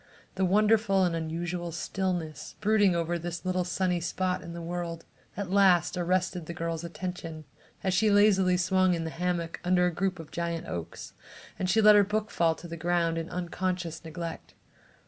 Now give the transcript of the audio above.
The wonderful and unusual stillness brooding over this little sunny spot in the world, at last arrested the girl's attention as she lazily swung in the hammock under a group of giant oaks, and she let her book fall to the ground in unconscious neglect.